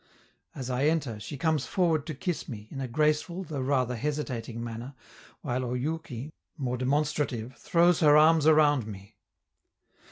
As I enter, she comes forward to kiss me, in a graceful, though rather hesitating manner, while Oyouki, more demonstrative, throws her arms around me.